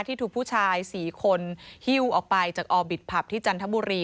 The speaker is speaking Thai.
ที่ถูกผู้ชาย๔คนฮิ้วออกไปจากอบิตผับที่จันทบุรี